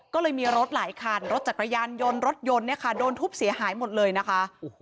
ก็เลยมีรถหลายคันรถจักรยานยนต์รถยนต์เนี่ยค่ะโดนทุบเสียหายหมดเลยนะคะ